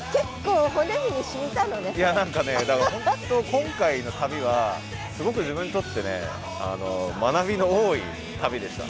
今回の旅はすごく自分にとって学びの多い旅でした。